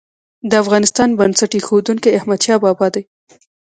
د افغانستان بنسټ ايښودونکی احمدشاه بابا دی.